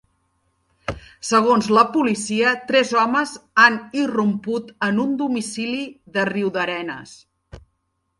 Segons la policia, tres homes han irromput en un domicili de Riudarenes.